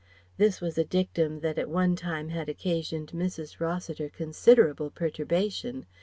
This was a dictum that at one time had occasioned Mrs. Rossiter considerable perturbation.